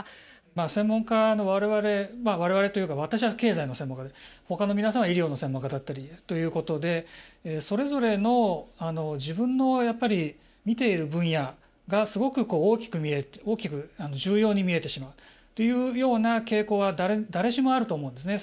専門家の我々我々というか私は経済の専門家でほかの皆さんは医療の専門家だったりということでそれぞれの自分の見ている分野がすごく大きく重要に見えてしまうというような傾向は誰しもあると思うんですね。